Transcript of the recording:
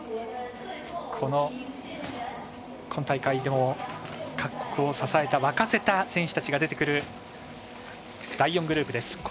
この今大会でも各国を支えた沸かせた選手たちが出てくる第４グループです。